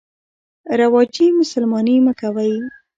رواجي مسلماني مه کوئ.